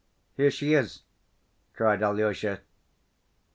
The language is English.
"Here she is!" cried Alyosha.